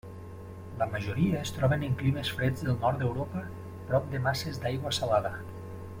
La majoria es troben en climes freds del nord d'Europa prop de masses d'aigua salada.